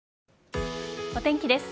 お天気です。